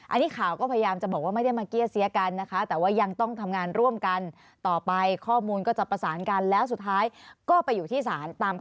อันนี้ข่าวก็พยายามจะบอกว่าไม่ได้มาเกี้ยเซียกันนะคะ